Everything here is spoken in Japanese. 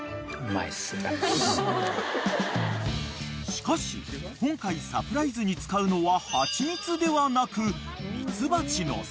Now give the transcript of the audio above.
［しかし今回サプライズに使うのは蜂蜜ではなく］